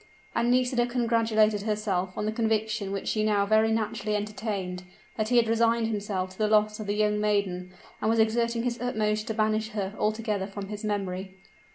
And Nisida congratulated herself on the conviction which she now very naturally entertained, that he had resigned himself to the loss of the young maiden, and was exerting his utmost to banish her altogether from his memory!